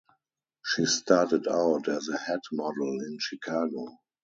She started out as a hat model in Chicago.